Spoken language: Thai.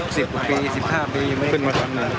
๑๐ปี๑๕ปียังไม่ขึ้นมาครั้งหนึ่ง